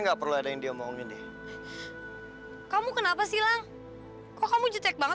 sampai jumpa di video selanjutnya